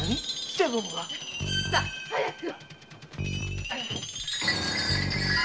さぁ早く！